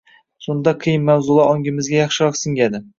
Shunda qiyin mavzular ongimizga yaxshiroq singadi.